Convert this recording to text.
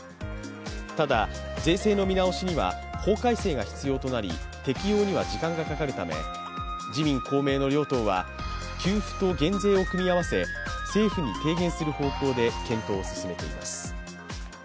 ただ、税制の見直しには法改正が必要となり適用には時間がかかるため、自民・公明の両党は給付と減税を組み合わせ、政府に提言する方向で検討を進めています。